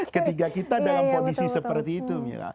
ketiga kita dalam kondisi seperti itu mila